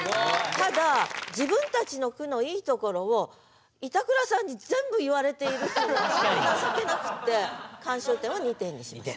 ただ自分たちの句のいいところを板倉さんに全部言われているっていうのが情けなくて鑑賞点は２点にしました。